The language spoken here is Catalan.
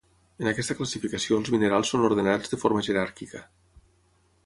En aquesta classificació els minerals són ordenats de forma jeràrquica.